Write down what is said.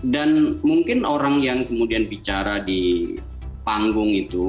dan mungkin orang yang kemudian bicara di panggung itu